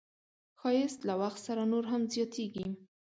ښایست له وخت سره نور هم زیاتېږي